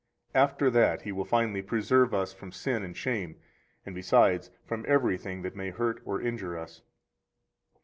After that He will finally preserve us from sin and shame, and, besides, from everything that may hurt or injure us.